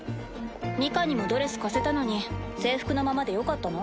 ニカにもドレス貸せたのに制服のままでよかったの？